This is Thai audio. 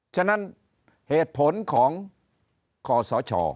ฉะนั้นเหตุผลของคศ